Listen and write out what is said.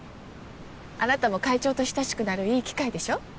あなたも会長と親しくなるいい機会でしょ。